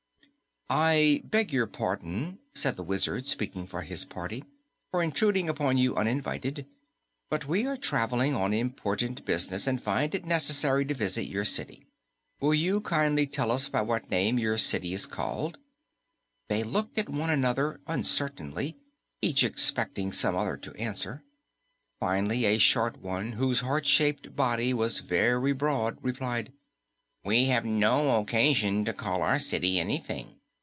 "I beg your pardon," said the Wizard, speaking for his party, "for intruding upon you uninvited, but we are traveling on important business and find it necessary to visit your city. Will you kindly tell us by what name your city is called?" They looked at one another uncertainly, each expecting some other to answer. Finally, a short one whose heart shaped body was very broad replied, "We have no occasion to call our city anything.